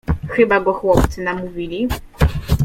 Chyba go chłopcy namówili.